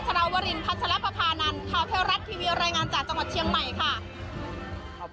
ดาววรินพัชรปภานันข่าวเทวรัฐทีวีรายงานจากจังหวัดเชียงใหม่ค่ะ